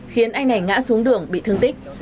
khiến anh này ngã xuống đường bị thương tích